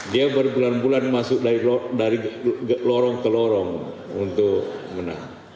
dia berbulan bulan masuk dari lorong ke lorong untuk menang